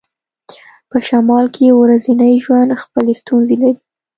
په شمال کې ورځنی ژوند خپلې ستونزې لري